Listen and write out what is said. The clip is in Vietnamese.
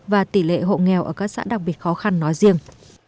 và tỷ lệ hộ nghèo ở các xã đặc biệt khó khăn nói riêng